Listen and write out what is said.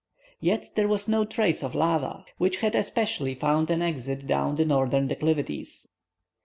Yet there was no trace of lava, which had especially found an exit down the northern declivities.